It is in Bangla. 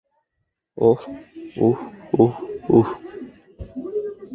এহ, উহ, উহ, উহ।